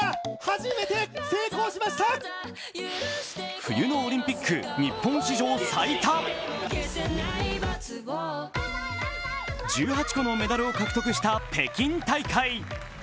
冬のオリンピック日本史上最多、１８個のメダルを獲得した北京大会。